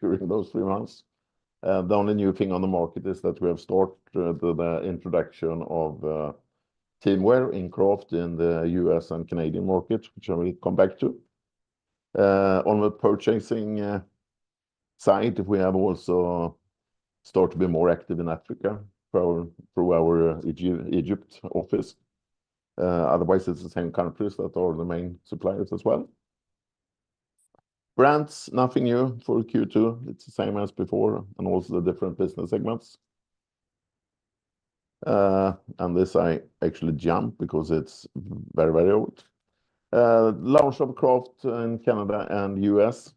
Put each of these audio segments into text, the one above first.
During those three months. The only new thing on the market is that we have started the introduction of teamwear in Craft in the U.S. and Canadian market, which I will come back to. On the purchasing side, we have also started to be more active in Africa through our Egypt office. Otherwise, it's the same countries that are the main suppliers as well. Brands, nothing new for Q2. It's the same as before, and also the different business segments. And this I actually jump because it's very, very old. Launch of Craft in Canada and U.S.,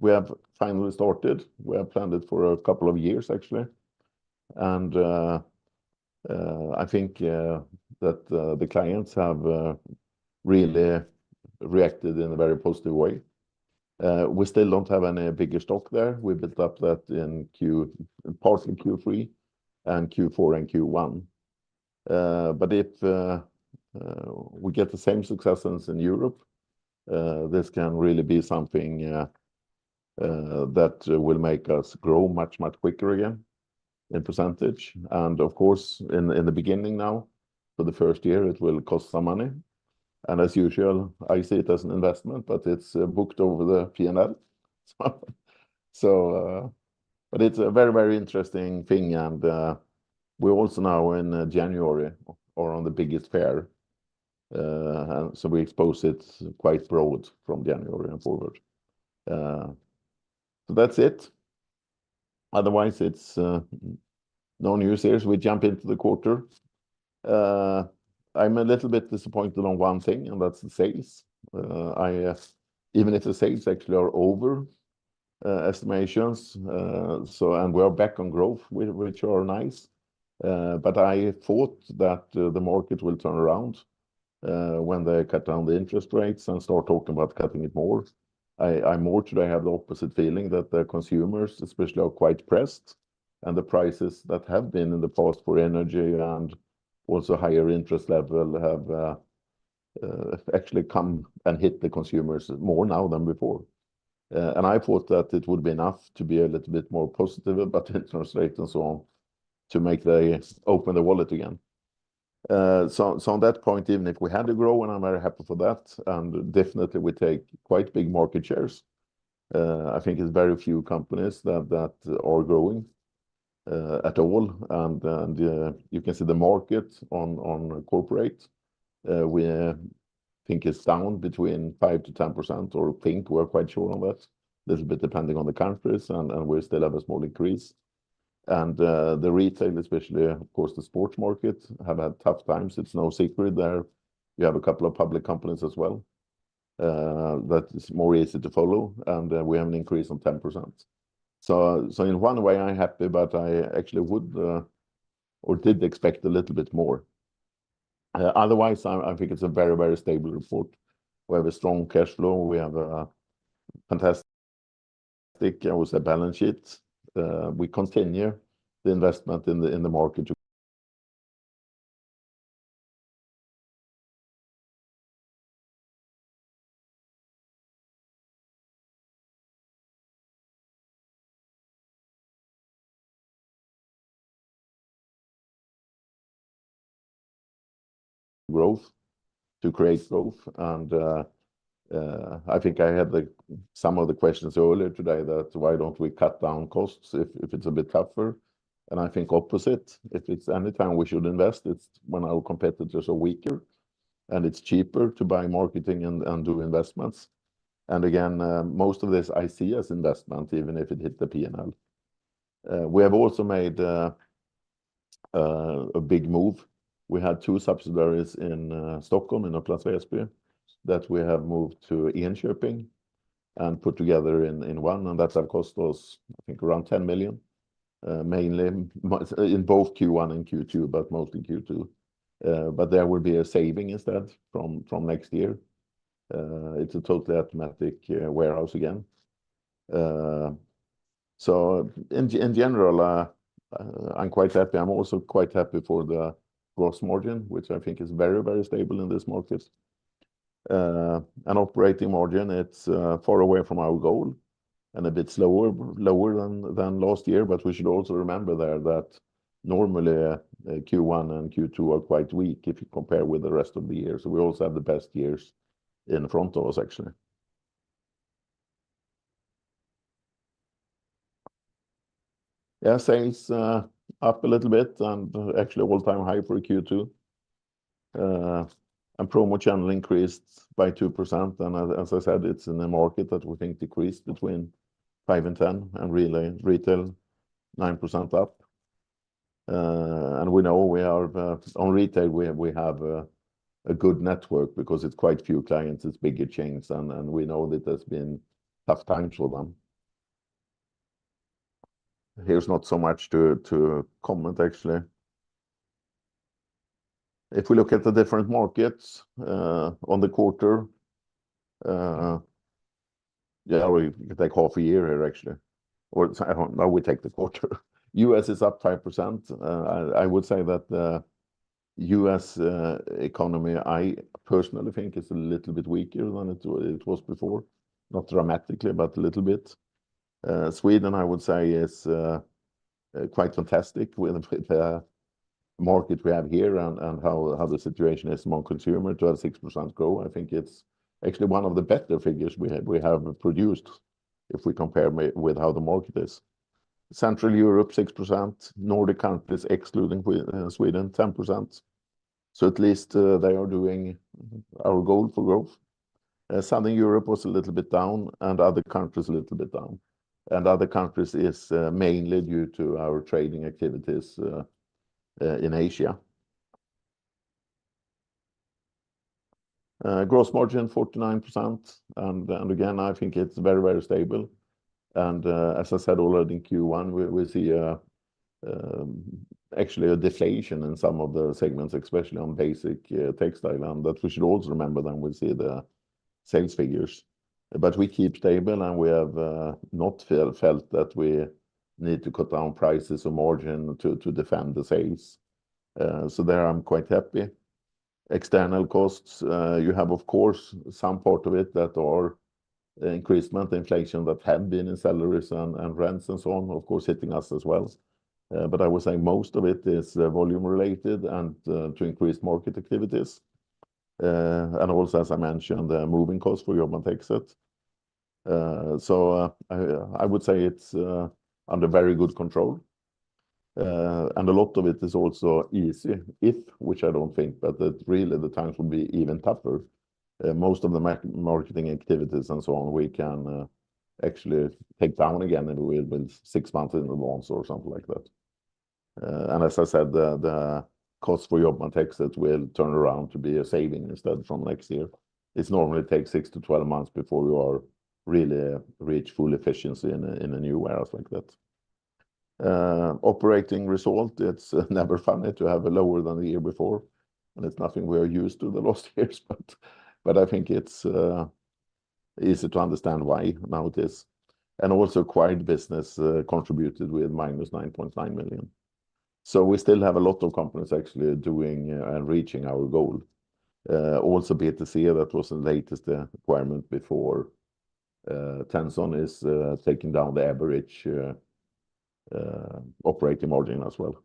we have finally started. We have planned it for a couple of years, actually. And I think that the clients have really reacted in a very positive way. We still don't have any bigger stock there. We built up that in Q3, and Q4, and Q1. But if we get the same success as in Europe, this can really be something that will make us grow much, much quicker again in percentage. And of course, in the beginning now, for the first year, it will cost some money. And as usual, I see it as an investment, but it's booked over the P&L. So, but it's a very, very interesting thing, and we're also now in January or on the biggest fair, so we expose it quite broad from January and forward. So that's it. Otherwise, it's no new series. We jump into the quarter. I'm a little bit disappointed on one thing, and that's the sales. I... Even if the sales actually are over estimations, and we are back on growth, which are nice. But I thought that the market will turn around, when they cut down the interest rates and start talking about cutting it more. I more today have the opposite feeling that the consumers, especially, are quite pressed, and the prices that have been in the past for energy and also higher interest level have actually come and hit the consumers more now than before. And I thought that it would be enough to be a little bit more positive about interest rate and so on, to make they open their wallet again. So on that point, even if we had to grow, and I'm very happy for that, and definitely we take quite big market shares, I think it's very few companies that are growing at all. You can see the market on corporate; we think is down between 5%-10% or think we're quite sure on that. Little bit depending on the countries, and we still have a small increase. The retail, especially of course the sports market, have had tough times. It's no secret there. We have a couple of public companies as well that is more easy to follow, and we have an increase on 10%. So in one way, I'm happy, but I actually would or did expect a little bit more. Otherwise, I think it's a very, very stable report. We have a strong cash flow. We have a fantastic, I would say, balance sheet. We continue the investment in the market growth to create growth, and I think I had some of the questions earlier today that, "Why don't we cut down costs if it's a bit tougher?" I think opposite. If it's any time we should invest, it's when our competitors are weaker, and it's cheaper to buy marketing and do investments. And again, most of this I see as investment, even if it hits the P&L. We have also made a big move. We had two subsidiaries in Stockholm, in Stockholms Väsby, that we have moved to Enköping and put together in one, and that, of course, was, I think, around 10 million, mainly in both Q1 and Q2, but mostly Q2. But there will be a saving instead from next year. It's a totally automatic warehouse again. So in general, I'm quite happy. I'm also quite happy for the gross margin, which I think is very, very stable in this market. And operating margin, it's far away from our goal and a bit lower than last year, but we should also remember there that normally Q1 and Q2 are quite weak if you compare with the rest of the year. So we also have the best years in front of us, actually. Yeah, sales up a little bit, and actually an all-time high for Q2. And promo generally increased by 2%, and as I said, it's in a market that we think decreased between 5% and 10%, and really retail, 9% up. And we know we are on retail, we have a good network because it's quite a few clients. It's bigger chains, and we know that there's been tough times for them. There's not so much to comment, actually. If we look at the different markets on the quarter, yeah, we take half a year here, actually. No, we take the quarter. U.S. is up 5%. I would say that U.S. economy, I personally think is a little bit weaker than it was before. Not dramatically, but a little bit. Sweden, I would say, is quite fantastic with the market we have here and how the situation is among consumer, 12.6% growth. I think it's actually one of the better figures we have, we have produced, if we compare with how the market is. Central Europe, 6%. Nordic countries, excluding Sweden, 10%. So at least, they are doing our goal for growth. Southern Europe was a little bit down, and other countries a little bit down. And other countries is mainly due to our trading activities in Asia. Gross margin, 49%, and again, I think it's very, very stable. As I said already, in Q1, we see a actually a deflation in some of the segments, especially on basic textile. And that we should also remember when we see the sales figures. But we keep stable, and we have not felt that we need to cut down prices or margin to defend the sales. So there I'm quite happy. External costs, you have, of course, some part of it that are increased month inflation that have been in salaries and rents and so on, of course, hitting us as well. But I would say most of it is volume-related and to increase market activities. And also, as I mentioned, the moving costs for Jordbro exit. So I would say it's under very good control. And a lot of it is also easy. If, which I don't think, but that really the times will be even tougher, most of the marketing activities and so on, we can actually take down again, and we, with 6 months in advance or something like that. And as I said, the cost for Jordbro exit will turn around to be a saving instead from next year. It normally takes 6 to 12 months before you are really reach full efficiency in a new warehouse like that. Operating result, it's never funny to have a lower than the year before, and it's nothing we are used to the last years. But I think it's easy to understand why now it is. And also acquired business contributed with -9.9 million. We still have a lot of companies actually doing and reaching our goal. Also B2C, that was the latest acquirement before. Tenson's is taking down the average operating margin as well,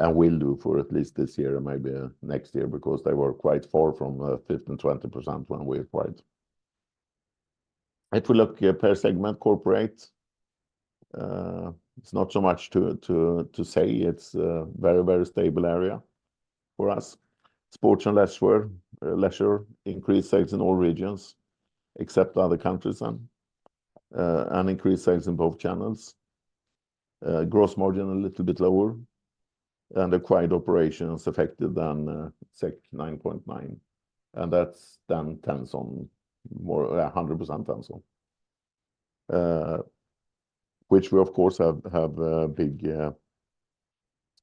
and will do for at least this year and maybe next year, because they were quite far from 15%-20% when we acquired. If we look here per segment, corporate, it's not so much to say. It's a very, very stable area for us. Sports & Leisure, leisure increased sales in all regions, except other countries, and increased sales in both channels. Gross margin a little bit lower, and acquired operations affected at 9.9%, and that's Tenson or 100% Tenson. which we, of course, have a big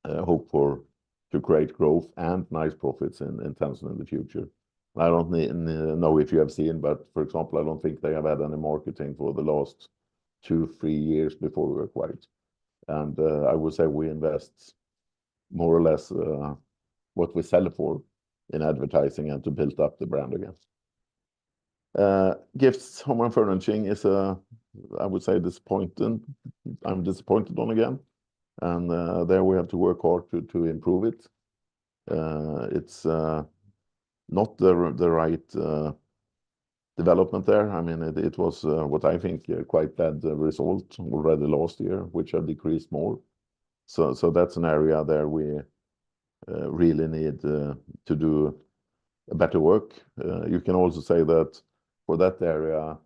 hope for to create growth and nice profits in Tenson in the future. I don't know if you have seen, but for example, I don't think they have had any marketing for the last two, three years before we acquired. And I would say we invest more or less what we sell it for in advertising and to build up the brand again. Gifts & Home Furnishings is, I would say, disappointing. I'm disappointed once again, and there we have to work hard to improve it. It's not the right development there. I mean, it was what I think quite bad result already last year, which have decreased more. So, so that's an area that we, really need, to do better work. You can also say that for that area,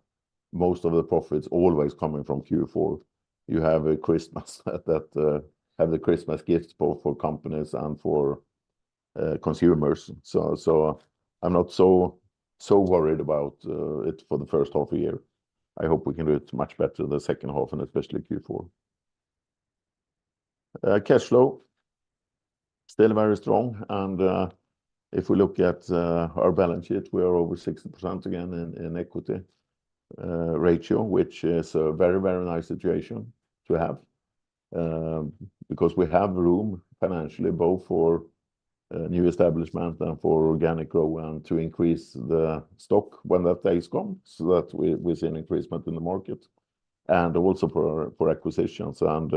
most of the profits always coming from Q4. You have a Christmas that, have the Christmas gifts, both for companies and for, consumers. So, so I'm not so, so worried about, it for the first half a year. I hope we can do it much better the second half, and especially Q4. Cash flow, still very strong, and, if we look at, our balance sheet, we are over 60% again in, in equity, ratio, which is a very, very nice situation to have. Because we have room financially, both for new establishment and for organic growth, and to increase the stock when the days come, so that we see an increment in the market, and also for acquisitions. And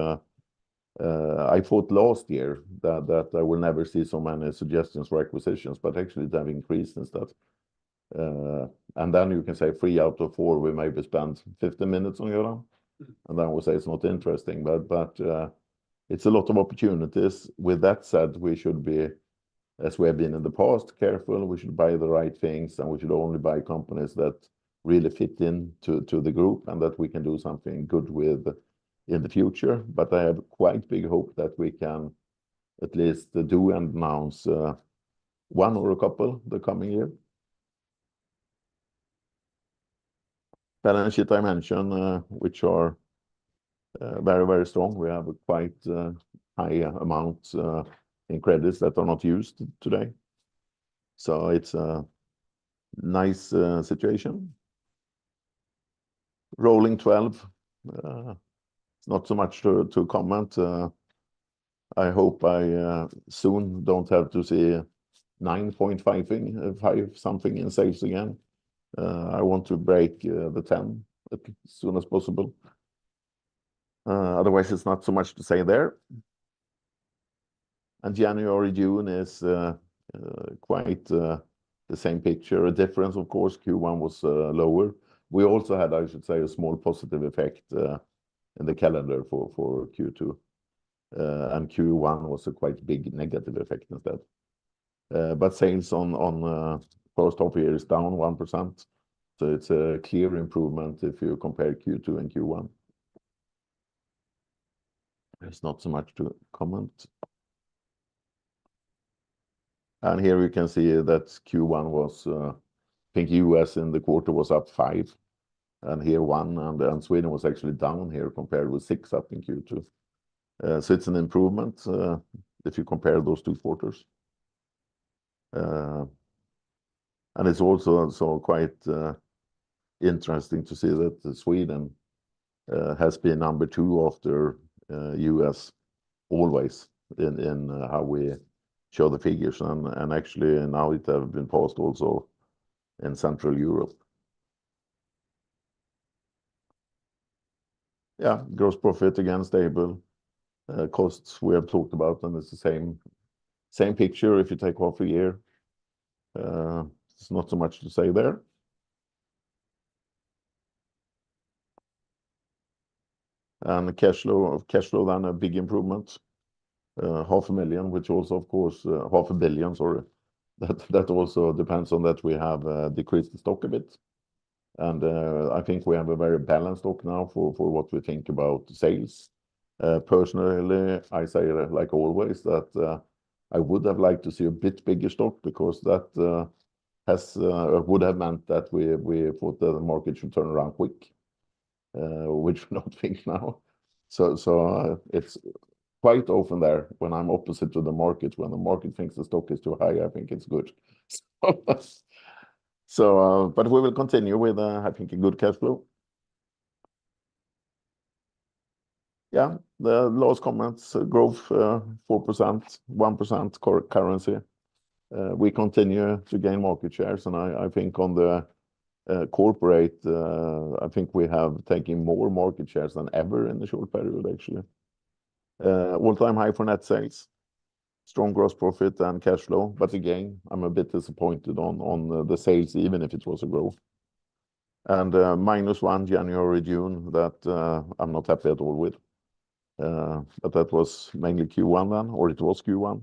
I thought last year that I will never see so many suggestions for acquisitions, but actually they have increased since that. And then you can say three out of four, we maybe spent 50 minutes on your own, and then we say it's not interesting. But it's a lot of opportunities. With that said, we should be, as we have been in the past, careful. We should buy the right things, and we should only buy companies that really fit into the group, and that we can do something good with in the future. But I have quite big hope that we can at least do and announce one or a couple the coming year. Balance Sheet I mentioned, which are very, very strong. We have a quite high amount in credits that are not used today. So it's a nice situation. Rolling 12, not so much to comment. I hope I soon don't have to see 9.5 five something in sales again. I want to break the 10 as soon as possible. Otherwise, there's not so much to say there. And January-June is quite the same picture. A difference, of course, Q1 was lower. We also had, I should say, a small positive effect in the calendar for Q2. And Q1 was a quite big negative effect instead. But sales on uncertain here is down 1%, so it's a clear improvement if you compare Q2 and Q1. There's not so much to comment. And here we can see that Q1 was, I think U.S. in the quarter was up 5, and here 1, and Sweden was actually down here compared with 6 up in Q2. So it's an improvement if you compare those two quarters. And it's also quite interesting to see that Sweden has been number two after U.S. always in how we show the figures. And actually, now it has been passed also in Central Europe. Yeah, gross profit again, stable. Costs, we have talked about, and it's the same picture if you take off a year. There's not so much to say there. The cash flow, then a big improvement. Half a million, which also, of course, half a billion, sorry. That, that also depends on that we have decreased the stock a bit. And I think we have a very balanced stock now for, for what we think about sales. Personally, I say, like always, that I would have liked to see a bit bigger stock, because that would have meant that we, we put the market should turn around quick, which we not think now. So it's quite often there when I'm opposite to the market, when the market thinks the stock is too high, I think it's good. So but we will continue with I think, a good cash flow. Yeah, the last comments, growth, 4%, 1% currency. We continue to gain market shares, and I, I think on the corporate, I think we have taken more market shares than ever in the short period, actually. All-time high for net sales, strong gross profit and cash flow. But again, I'm a bit disappointed on the sales, even if it was a growth. Minus 1 January-June, that I'm not happy at all with. But that was mainly Q1 then, or it was Q1.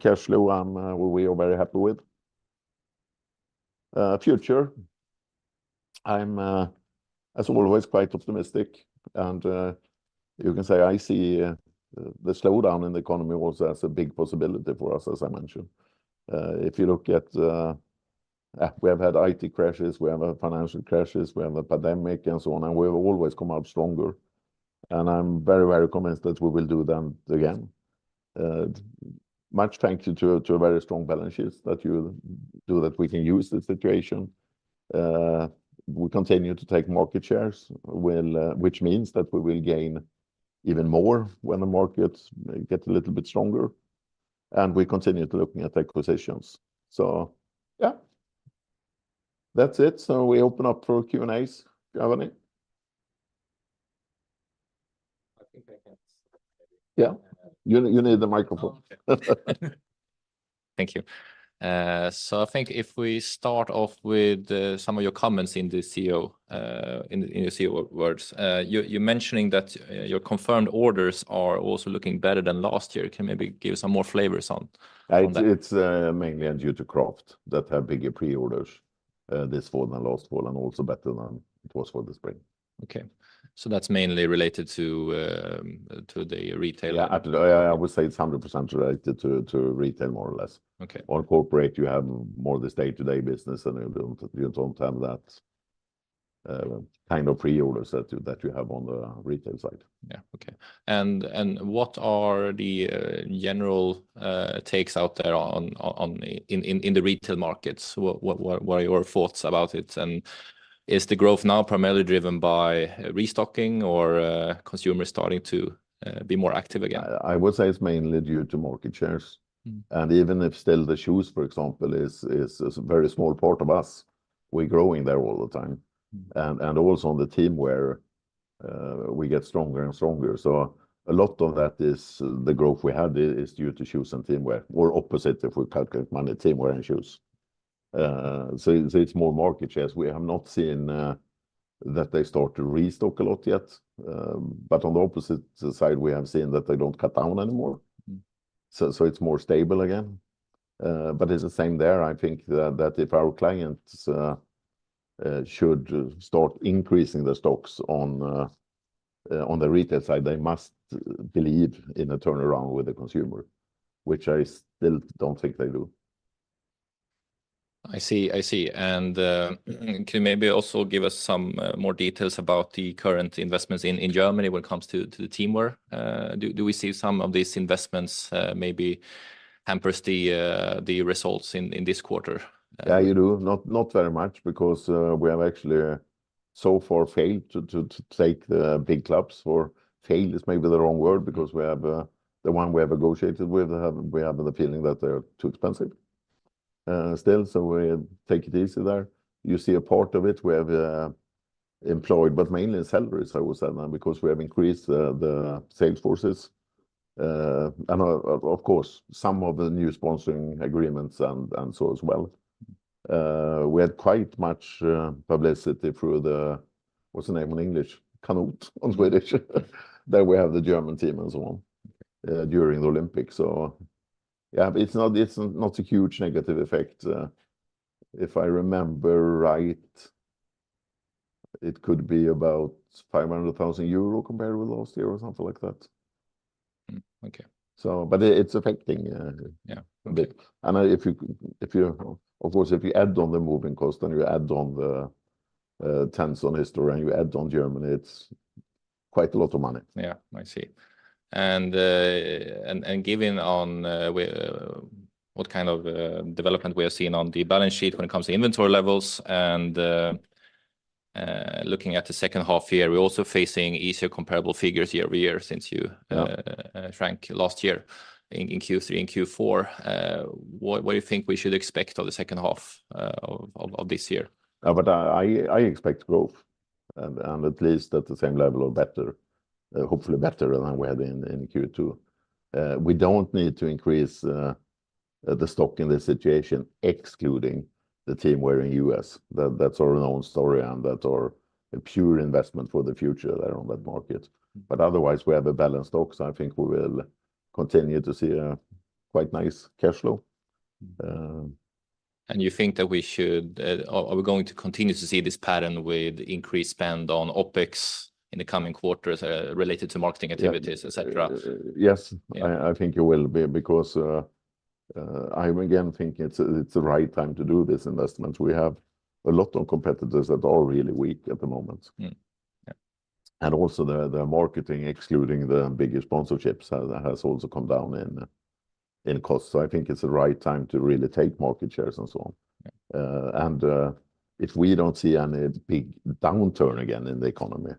Cash flow, I'm... We are very happy with. Future, I'm, as always, quite optimistic, and you can say I see the slowdown in the economy was as a big possibility for us, as I mentioned. If you look at... We have had IT crashes, we have had financial crashes, we have a pandemic, and so on, and we have always come out stronger. I'm very, very convinced that we will do that again. Much thanks to a very strong balance sheet that we do, that we can use the situation. We continue to take market shares, which means that we will gain even more when the market gets a little bit stronger, and we continue to looking at acquisitions. So yeah, that's it. So we open up for Q&As. Do you have any? I think I can- Yeah. You need the microphone. Thank you. So I think if we start off with some of your comments in the CEO, in your CEO words. You're mentioning that your confirmed orders are also looking better than last year. Can you maybe give some more flavors on that? It's mainly due to Craft that have bigger pre-orders this fall than last fall, and also better than it was for the spring. Okay. So that's mainly related to the retail? Yeah, absolutely. I would say it's 100% related to retail, more or less. Okay. On corporate, you have more of this day-to-day business, and you don't have that kind of pre-orders that you have on the retail side. Yeah. Okay. And what are the general takes out there on the... in the retail markets? What are your thoughts about it? And is the growth now primarily driven by restocking or consumers starting to be more active again? I would say it's mainly due to market shares. Mm. And even if still the shoes, for example, is a very small part of us, we're growing there all the time. Mm. Also on the teamwear, we get stronger and stronger. So a lot of that is, the growth we have, is due to shoes and teamwear. We're opposite if we calculate money, teamwear and shoes. So it's, it's more market shares. We have not seen that they start to restock a lot yet, but on the opposite side, we have seen that they don't cut down anymore. Mm. So, it's more stable again. But it's the same there. I think that if our clients should start increasing the stocks on the retail side, they must believe in a turnaround with the consumer, which I still don't think they do. I see. I see. And, can you maybe also give us some more details about the current investments in Germany when it comes to the teamwear? Do we see some of these investments maybe hampers the results in this quarter? Yeah, you do. Not very much, because we have actually so far failed to take the big clubs or failed is maybe the wrong word, because we have the one we have negotiated with, we have the feeling that they're too expensive still, so we take it easy there. You see a part of it, we have invested, but mainly in salaries, I would say now, because we have increased the sales forces. And of course some of the new sponsoring agreements and so as well. We had quite much publicity through the, what's the name in English? Kanot in Swedish, that we have the German team and so on, during the Olympics. So yeah, it's not a huge negative effect. If I remember right, it could be about 500,000 euro compared with last year or something like that. Hmm, okay. So, but it, it's affecting Yeah. A bit. And... if you, if you, of course, if you add on the moving cost, then you add on the Tenson history, and you add on Germany, it's quite a lot of money. Yeah, I see. And given what kind of development we are seeing on the balance sheet when it comes to inventory levels and looking at the second half year, we're also facing easier comparable figures year-over-year since you- Yeah... Frank, last year in Q3 and Q4. What do you think we should expect of the second half of this year? But I expect growth and at least at the same level or better, hopefully better than we had in Q2. We don't need to increase the stock in this situation, excluding the teamwear US. That's our own story, and that's our pure investment for the future there on that market. But otherwise, we have a balanced stock, so I think we will continue to see a quite nice cash flow. Are we going to continue to see this pattern with increased spend on OpEx in the coming quarters, related to marketing activities? Yeah... et cetera? Yes. Yeah. I think it will be, because I again think it's the right time to do this investment. We have a lot of competitors that are really weak at the moment. Hmm. Yeah. And also, the marketing, excluding the biggest sponsorships, has also come down in cost. So I think it's the right time to really take market shares and so on. Yeah. If we don't see any big downturn again in the economy,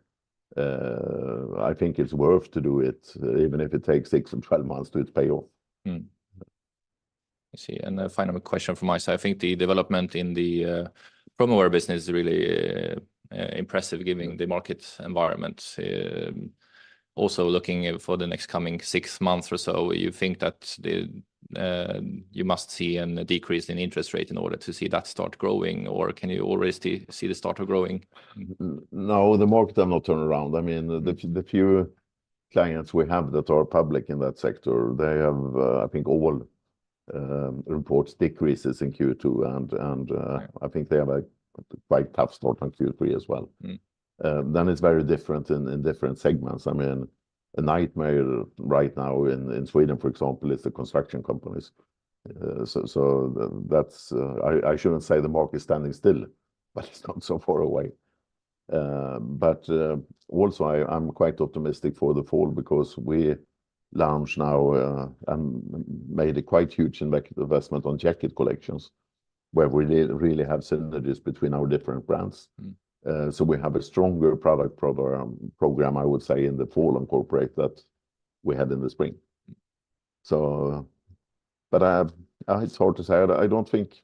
I think it's worth to do it, even if it takes 6 and 12 months to pay off. Hmm. I see. And a final question from my side. I think the development in the promo wear business is really impressive, given the market environment. Also looking for the next coming six months or so, you think that you must see a decrease in interest rate in order to see that start growing, or can you already see the start of growing? No, the market have not turned around. I mean, the few clients we have that are public in that sector, they have, I think all reports decreases in Q2, and Yeah... I think they have a quite tough start on Q3 as well. Hmm. Then it's very different in different segments. I mean, a nightmare right now in Sweden, for example, is the construction companies. So that's... I shouldn't say the market is standing still, but it's not so far away. But also, I'm quite optimistic for the fall because we launched now and made a quite huge investment on jacket collections, where we really, really have synergies between our different brands. Hmm. So we have a stronger product program, I would say, in the fall and corporate that we had in the spring. Hmm. It's hard to say. I don't think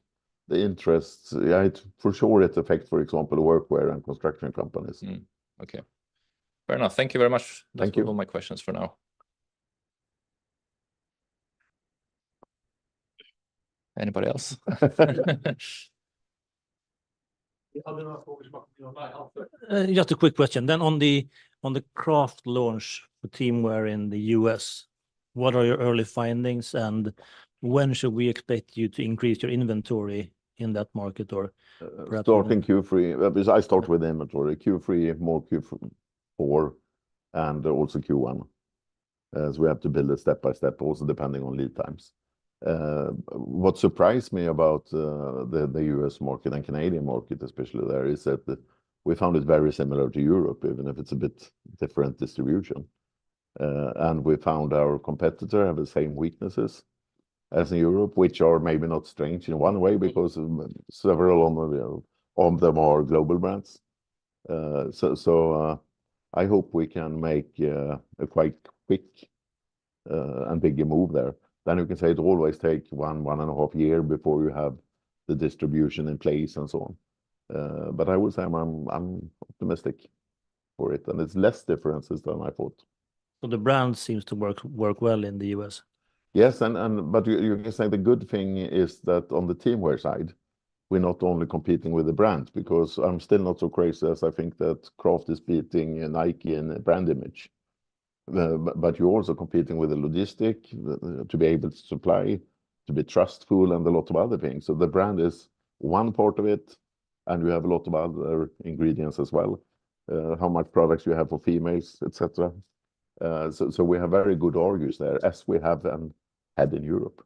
the interest, yeah, it's for sure it affect, for example, workwear and construction companies. Hmm. Okay. Fair enough. Thank you very much. Thank you. That's all my questions for now. Anybody else? Just a quick question, then on the Craft launch, the team wear in the US, what are your early findings, and when should we expect you to increase your inventory in that market, or perhaps- Starting Q3. I start with the inventory, Q3, more Q4, and also Q1, as we have to build it step by step, also depending on lead times. What surprised me about the US market and Canadian market, especially there, is that we found it very similar to Europe, even if it's a bit different distribution. We found our competitor have the same weaknesses as in Europe, which are maybe not strange in one way, because several of them are global brands. I hope we can make a quite quick and bigger move there. You can say it always take one and a half year before you have the distribution in place and so on. I would say I'm optimistic for it, and it's less differences than I thought. The brand seems to work well in the U.S.? Yes, but you can say the good thing is that on the team wear side, we're not only competing with the brand, because I'm still not so crazy as I think that Craft is beating Nike in brand image. But you're also competing with the logistic, to be able to supply, to be trustful, and a lot of other things. So the brand is one part of it, and we have a lot of other ingredients as well, how much products you have for females, et cetera. So we have very good argues there, as we have them had in Europe.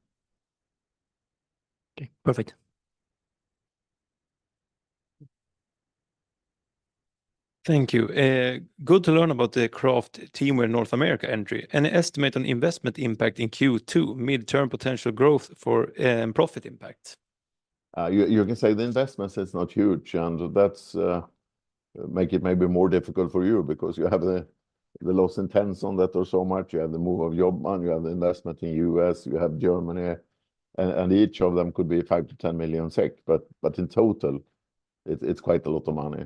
Okay, perfect. ... Thank you. Good to learn about the Craft teamwear North America entry. Any estimate on investment impact in Q2, midterm potential growth for, profit impact? You, you can say the investments is not huge, and that's make it maybe more difficult for you, because you have the loss intents on that or so much. You have the move of Jordbro, and you have the investment in US, you have Germany, and each of them could be 5-10 million SEK. But in total, it's quite a lot of money.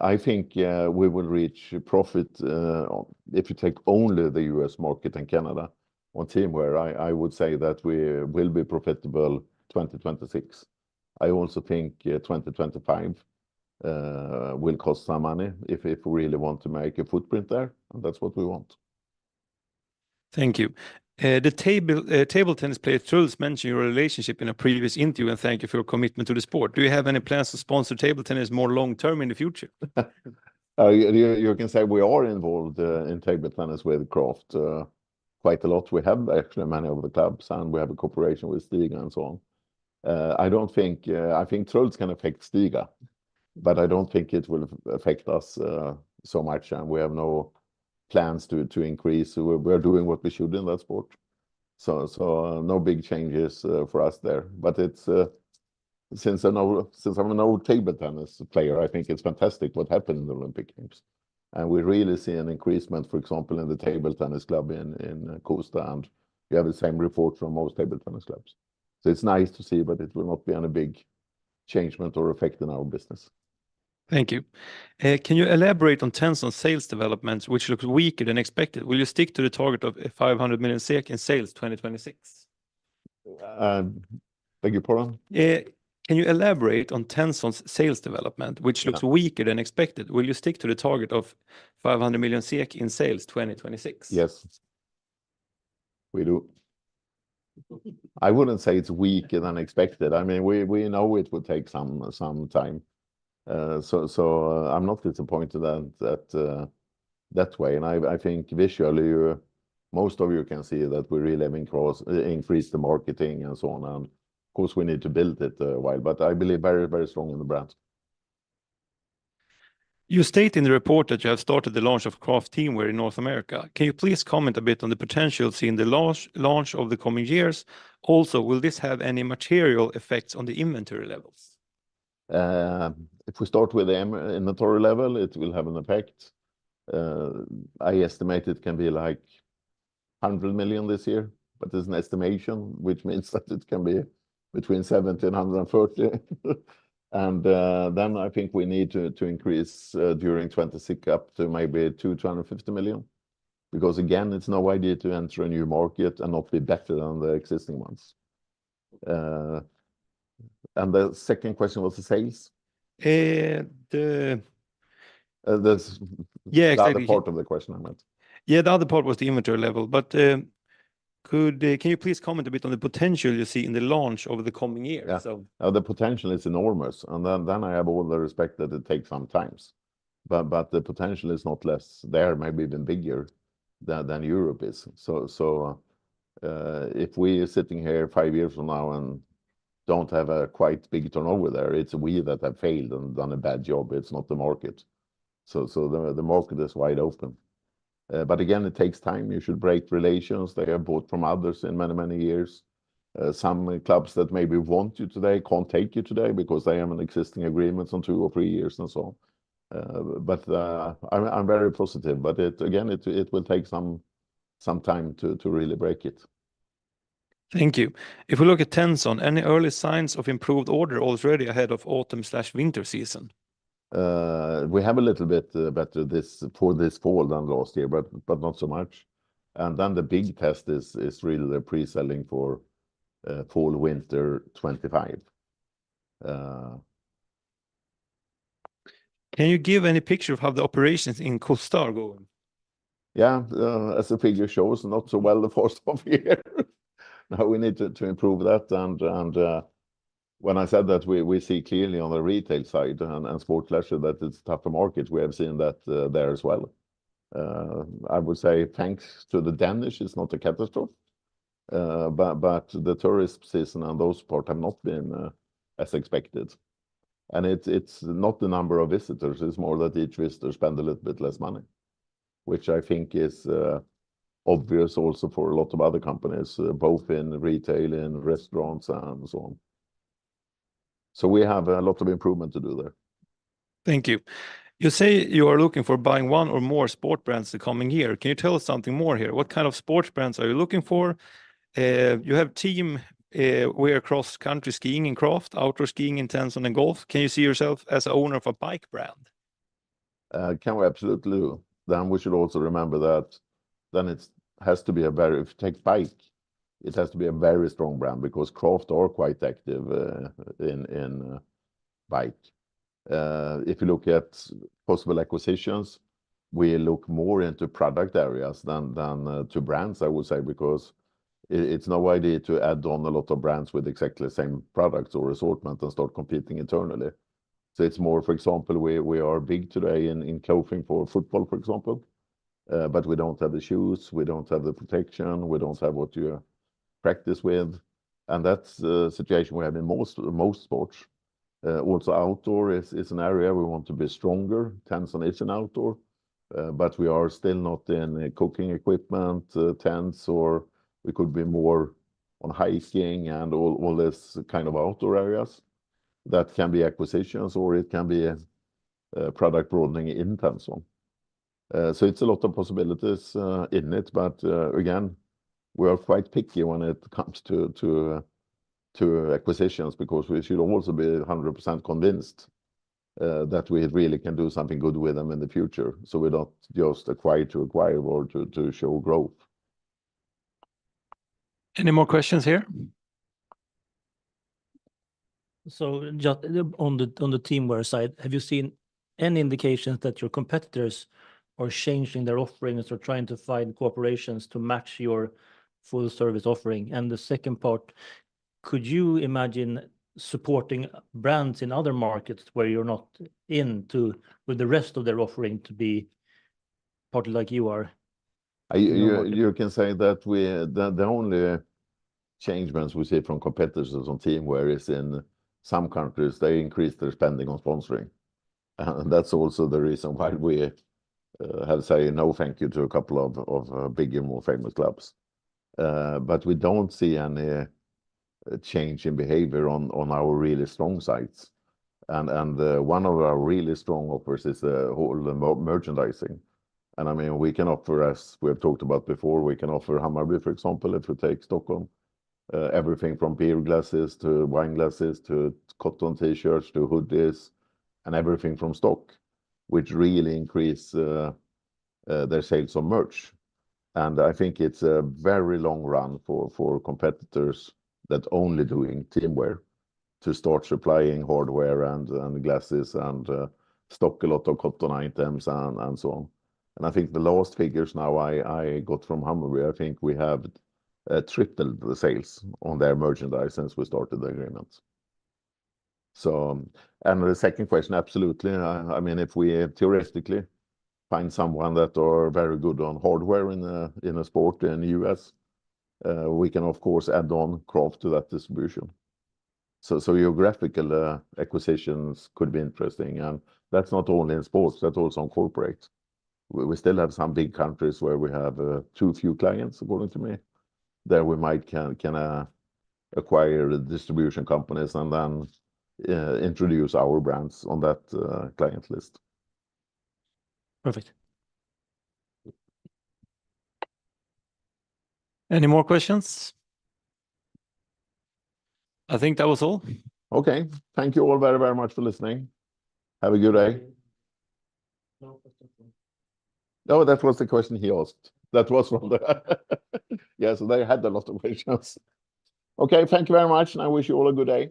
I think, yeah, we will reach profit if you take only the US market and Canada. On teamwear, I would say that we will be profitable 2026. I also think 2025 will cost some money if we really want to make a footprint there, and that's what we want. Thank you. The table tennis player Truls mentioned your relationship in a previous interview, and thank you for your commitment to the sport. Do you have any plans to sponsor table tennis more long-term in the future? You can say we are involved in table tennis with Craft quite a lot. We have actually many of the clubs, and we have a cooperation with Stiga and so on. I think Truls Möregårdh can affect Stiga, but I don't think it will affect us so much, and we have no plans to increase. We're doing what we should in that sport, so no big changes for us there. But it's since I'm an old table tennis player, I think it's fantastic what happened in the Olympic Games. And we really see an increase, for example, in the table tennis club in Kosta, and we have the same report from most table tennis clubs. It's nice to see, but it will not be any big change or effect in our business. Thank you. Can you elaborate on Tenson's sales developments, which looks weaker than expected? Will you stick to the target of 500 million SEK in sales 2026? Beg your pardon? Can you elaborate on Tenson's sales development- Yeah... which looks weaker than expected? Will you stick to the target of 500 million SEK in sales 2026? Yes. We do. I wouldn't say it's weaker than expected. I mean, we know it will take some time. So, I'm not disappointed that way. And I think visually, most of you can see that we really have increased the marketing and so on. And of course, we need to build it a while, but I believe very, very strong in the brand. You state in the report that you have started the launch of Craft teamwear in North America. Can you please comment a bit on the potential seen in the launch, launch over the coming years? Also, will this have any material effects on the inventory levels? If we start with the inventory level, it will have an effect. I estimate it can be, like, 100 million this year, but it's an estimation, which means that it can be between 70 million and 140 million. Then I think we need to increase during 2026 up to maybe 200 million-250 million. Because, again, it's no idea to enter a new market and not be better than the existing ones. And the second question was the sales? Uh, the- Uh, the- Yeah, exactly... the other part of the question, I meant. Yeah, the other part was the inventory level. But, could you please comment a bit on the potential you see in the launch over the coming years of- Yeah. The potential is enormous. I have all the respect that it takes some times. But the potential is not less there, maybe even bigger than Europe is. So, if we are sitting here five years from now and don't have a quite big turnover there, it's we that have failed and done a bad job. It's not the market. So the market is wide open. But again, it takes time. You should break relations. They are bought from others in many years. Some clubs that maybe want you today can't take you today because they have an existing agreements on two or three years and so on. But, I'm very positive. But again, it will take some time to really break it. Thank you. If we look at Tenson, any early signs of improved order already ahead of autumn/winter season? We have a little bit better this for this fall than last year, but, but not so much. And then the big test is, is really the pre-selling for fall winter 2025. Can you give any picture of how the operations in Kosta are going? Yeah. As the figure shows, not so well the first half of the year. Now we need to improve that. When I said that we see clearly on the retail side and sport leisure, that it's tougher market, we have seen that there as well. I would say thanks to the Danish, it's not a catastrophe. But the tourist season and those part have not been as expected. And it's not the number of visitors, it's more that each visitor spend a little bit less money, which I think is obvious also for a lot of other companies, both in retail, in restaurants, and so on. So we have a lot of improvement to do there. Thank you. You say you are looking for buying one or more sport brands the coming year. Can you tell us something more here? What kind of sports brands are you looking for? You have teamwear cross-country skiing in Craft, outdoor skiing in Tenson, and golf. Can you see yourself as owner of a bike brand? Can we? Absolutely. Then we should also remember that it has to be a very... If you take bike, it has to be a very strong brand, because Craft are quite active in bike. If you look at possible acquisitions, we look more into product areas than to brands, I would say, because it's no idea to add on a lot of brands with exactly the same product or assortment and start competing internally. So it's more, for example, we are big today in clothing for football, for example, but we don't have the shoes, we don't have the protection, we don't have what you practice with, and that's a situation we have in most sports. Also outdoor is an area we want to be stronger, tents and gear and outdoor. But we are still not in the cooking equipment, tents, or we could be more on hiking and all this kind of outdoor areas. That can be acquisitions or it can be product broadening in tents on. So it's a lot of possibilities in it, but again, we are quite picky when it comes to acquisitions, because we should also be 100% convinced that we really can do something good with them in the future, so we don't just acquire to acquire or to show growth. Any more questions here? So just on the teamwear side, have you seen any indications that your competitors are changing their offerings or trying to find corporations to match your full service offering? And the second part, could you imagine supporting brands in other markets where you're not in to, with the rest of their offering to be partly like you are? You can say that the only changes we see from competitors on teamwear is in some countries, they increase their spending on sponsoring. And that's also the reason why we had to say, "No, thank you," to a couple of bigger, more famous clubs. But we don't see any change in behavior on our really strong sides. And one of our really strong offers is wholesale merchandising. And I mean, we can offer, as we have talked about before, we can offer Hammarby, for example, if we take Stockholm, everything from beer glasses to wine glasses, to cotton T-shirts, to hoodies, and everything from stock, which really increase their sales on merch. I think it's a very long run for competitors that only doing teamwear to start supplying hardware and glasses and stock a lot of cotton items and so on. And I think the lowest figures now I got from Hammarby, I think we have tripled the sales on their merchandise since we started the agreement. So, and the second question, absolutely. I mean, if we theoretically find someone that are very good on hardware in a sport in the U.S., we can of course add on Craft to that distribution. So geographical acquisitions could be interesting, and that's not only in sports, that's also on corporate. We still have some big countries where we have too few clients according to me, that we might can kinda acquire the distribution companies and then introduce our brands on that client list. Perfect. Any more questions? I think that was all. Okay. Thank you all very, very much for listening. Have a good day. No, that's the one. No, that was the question he asked. That was from the... Yes, they had a lot of questions. Okay, thank you very much, and I wish you all a good day.